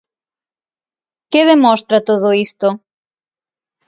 ¿Que demostra todo isto?